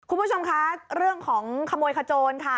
คุณผู้ชมคะเรื่องของขโมยขโจรค่ะ